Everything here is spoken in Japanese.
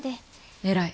偉い。